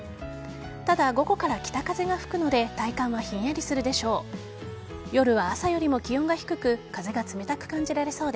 ただ、午後から北風が吹くので体感はひんやりするでしょう。